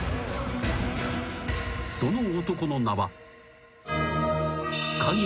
［その男の名は］